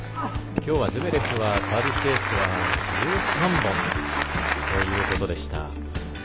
きょうはズベレフはサービスエース１３本ということでした。